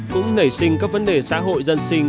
cũng nảy sinh các vấn đề xã hội dân sinh